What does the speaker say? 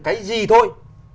cái gì thôi